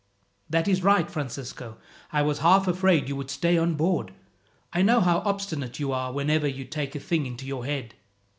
"That is right, Francisco. I was half afraid you would stay on board. I know how obstinate you are whenever you take a thing into your head."